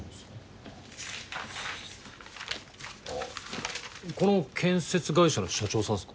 あぁこの建設会社の社長さんっすか？